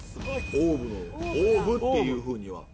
オーブのオーブっていうふうには。